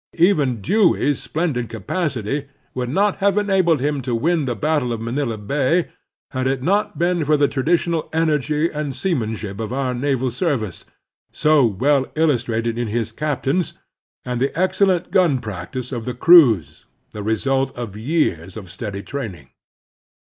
Even Dewey's splendid capacity would not have enabled him to win the battle of Manila Bay had it not been for the traditional energy and seamanship of otir naval service, so well illustrated in his cap tains, and the excellent gun practice of the crews, the result of years of steady training.